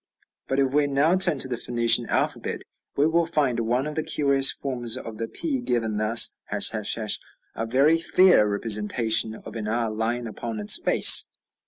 But if we now turn to the Phoenician alphabet, we will find one of the curious forms of the p given thus, ###, a very fair representation of an r lying upon its face.